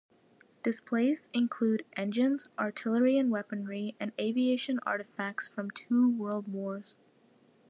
Displays include engines, artillery and weaponry, and aviation artefacts from two world wars.